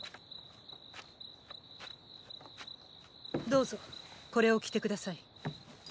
どうぞこれを着て下さい。